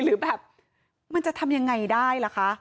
หรือแบบมันจะทำยังไงได้ล่ะคะ